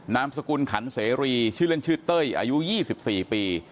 นามสกุลขันเสรีชื่อเล่นชื่อเต้ยอายุ๒๔ปี